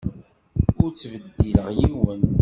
Ur ttbeddileɣ yiwen.